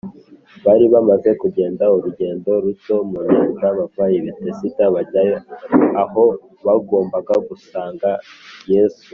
bari bamaze kugenda urugendo ruto mu nyanja bava i betesida bajya aho bagombaga gusanga yesu